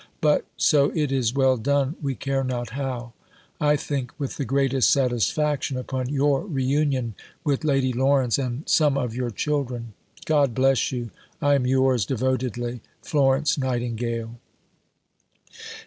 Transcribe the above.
But, so it is well done, we care not how. I think with the greatest satisfaction upon your re union with Lady Lawrence and (some of) your children. God bless you. I am yours devotedly, FLORENCE NIGHTINGALE.